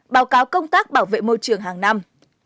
báo cáo công tác bảo vệ môi trường hàng năm